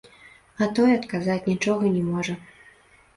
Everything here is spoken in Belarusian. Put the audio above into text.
А той адказаць нічога не можа.